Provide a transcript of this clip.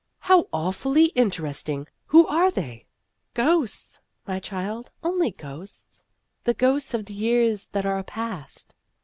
" How awfully interesting ! Who are they ?"" Ghosts, my child, only ghosts the ghosts of the years that are past."